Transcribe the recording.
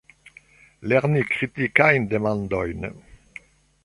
Lerni kritikajn demandojn.